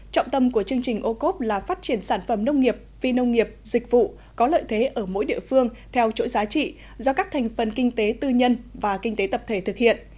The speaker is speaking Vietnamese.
trọng tâm của chương trình ô cốp là phát triển sản phẩm nông nghiệp phi nông nghiệp dịch vụ có lợi thế ở mỗi địa phương theo chuỗi giá trị do các thành phần kinh tế tư nhân và kinh tế tập thể thực hiện